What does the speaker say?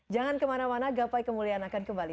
jangan kemana mana gapai kemuliaan akan kembali